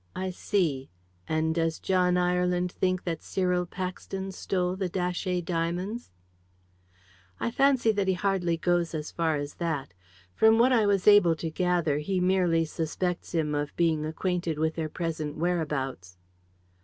"I see. And does John Ireland think that Cyril Paxton stole the Datchet diamonds?" "I fancy that he hardly goes as far as that. From what I was able to gather, he merely suspects him of being acquainted with their present whereabouts."